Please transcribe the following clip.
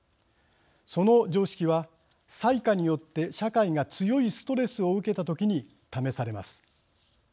その常識は災禍によって社会が強いストレスを受けた時に試されます。